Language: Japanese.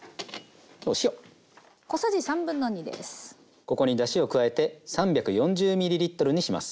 ここにだしを加えて３４０ｍにします。